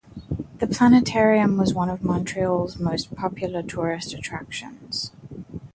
The Planetarium was one of Montreal's most popular tourist attractions.